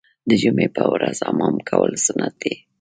د جمعې په ورځ حمام کول سنت دي.